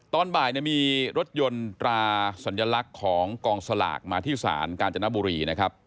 ตอนบ่ายมีรถยนต์ตราสัญลักษณ์ของกองสลากมาที่ศาลกาญจนบุรีนะครับ